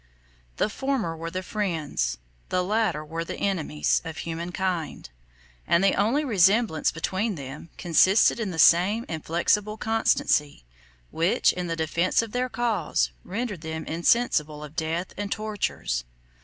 42 The former were the friends, the latter were the enemies, of human kind; and the only resemblance between them consisted in the same inflexible constancy, which, in the defence of their cause, rendered them insensible of death and tortures.